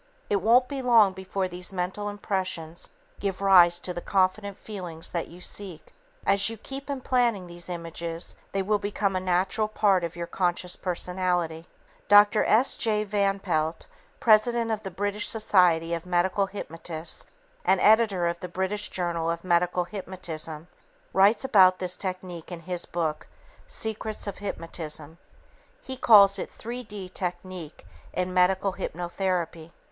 It won't be long before these mental impressions give rise to the confident feelings that you seek. As you keep implanting these images, they will become a natural part of your conscious personality. Dr. S. J. Van Pelt, president of the British Society of Medical Hypnotists and editor of the British Journal of Medical Hypnotism, writes about this technique in his book, Secrets of Hypnotism. He calls it "'3 D' Technique in Medical Hypnotherapy."